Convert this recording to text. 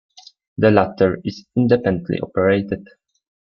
The latter is independently operated.